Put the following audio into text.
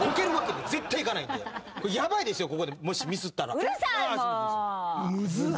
ここでもしミスったら。